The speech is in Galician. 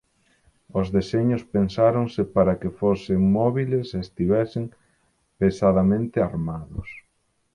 Os deseños pensáronse para que fosen móbiles e estivesen pesadamente armados.